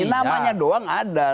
namanya doang ada